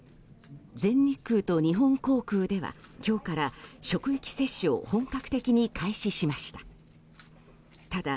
全日空と日本航空では今日から職域接種を本格的に開始しました。